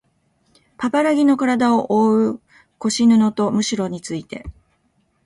パパラギのからだをおおう腰布とむしろについて